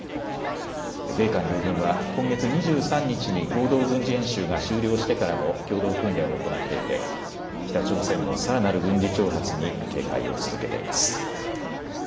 米韓両軍は今月２３日に合同軍事演習が終了してからも共同訓練を行っていて北朝鮮のさらなる軍事挑発に警戒を続けています。